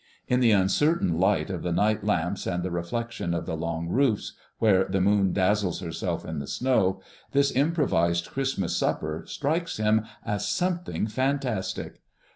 In the uncertain light of the night lamps and the reflection of the long roofs, where the moon dazzles herself in the snow, this improvised Christmas supper strikes him as something fantastic.